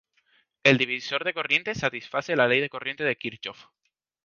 El divisor de corriente satisface la Ley de corriente de Kirchhoff.